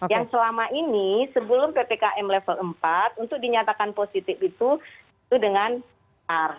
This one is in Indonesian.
yang selama ini sebelum ppkm level empat untuk dinyatakan positif itu dengan r